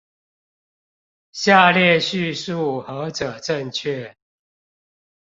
下列敘述何者正確？